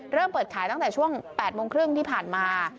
เริ่มเปิดขายตั้งแต่ช่วง๘โมงครึ่งที่ผ่านมา